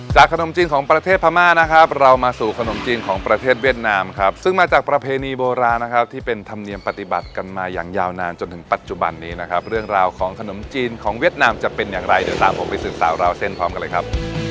ขนมจีนของประเทศพม่านะครับเรามาสู่ขนมจีนของประเทศเวียดนามครับซึ่งมาจากประเพณีโบราณนะครับที่เป็นธรรมเนียมปฏิบัติกันมาอย่างยาวนานจนถึงปัจจุบันนี้นะครับเรื่องราวของขนมจีนของเวียดนามจะเป็นอย่างไรเดี๋ยวตามผมไปสืบสาวราวเส้นพร้อมกันเลยครับ